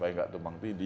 nggak tuh bang fidi